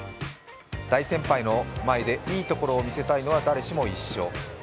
大先輩の前でいいところを見せたいのは誰しも一緒。